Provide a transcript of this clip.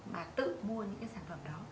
mà tự mua những cái sản phẩm đó